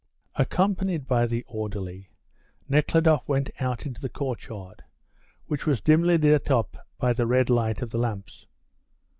Accompanied by the orderly, Nekhludoff went out into the courtyard, which was dimly lit up by the red light of the lamps.